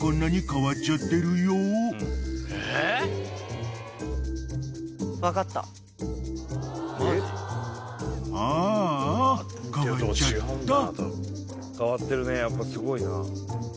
変わってるねやっぱすごいな。